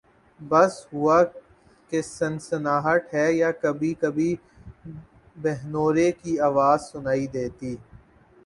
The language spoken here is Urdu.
بس ہوا کی سنسناہٹ ہے یا کبھی کبھی بھنورے کی آواز سنائی دیتی